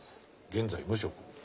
現在無職。